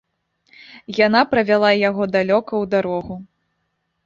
Яна правяла яго далёка ў дарогу.